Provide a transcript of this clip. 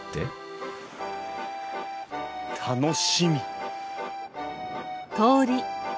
楽しみ。